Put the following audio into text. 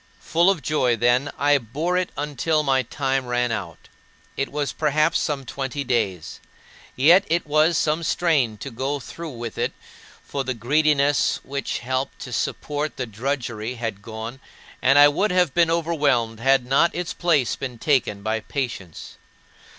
Full of joy, then, I bore it until my time ran out it was perhaps some twenty days yet it was some strain to go through with it, for the greediness which helped to support the drudgery had gone, and I would have been overwhelmed had not its place been taken by patience.